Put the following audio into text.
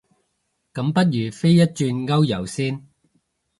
咁不如飛一轉歐遊先